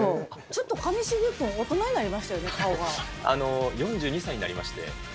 ちょっと上重君、大人になりましたよね、４２歳になりまして。